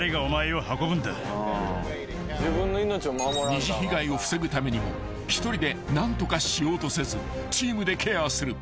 ［二次被害を防ぐためにも１人で何とかしようとせずチームでケアする］